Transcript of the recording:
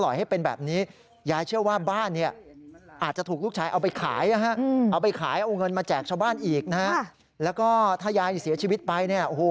ยายเนี่ยโอ้โหคุณร้องไห้ทั้งน้ำตาเนี่ย